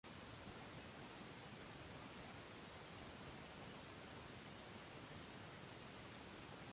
O‘zbekiston Prezidenti saylovi jarayonlarini yoritish uchun qanday hujjat talab qilinadi?